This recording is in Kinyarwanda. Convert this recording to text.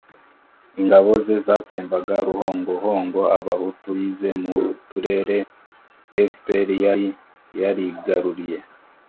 ingabo ze zatsembaga ruhongohongo abahutu bize mu turere fpr yari yarigaruriye.